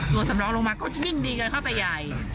สำรองลงมาก็ยิ่งดีกันเข้าไปใหญ่